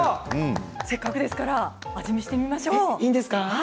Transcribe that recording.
せっかくですから味見してみましょう。